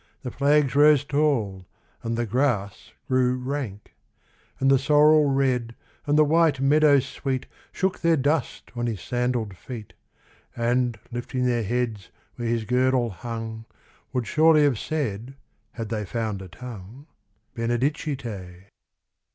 The flags rose tall, and the grass grew rank, And the sorrel red and the white meadow sweet Shook their dust on his sandalled feet. And, lifting their heads where his girdle hung. Would surely have said had they found a tongue, Benedicite.